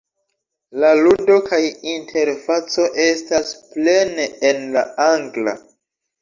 La ludo kaj interfaco estas plene en la Angla.